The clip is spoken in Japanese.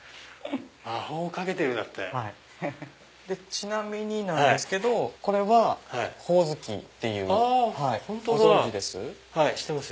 ちなみになんですけどこれはホオズキご存じです？